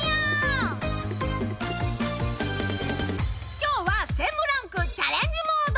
今日は専務ランクチャレンジモード。